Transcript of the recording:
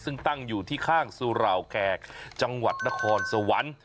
ซึ่งตั้งอยู่ที่ข้างสุราวแขกจังหวัดนครสวรรค์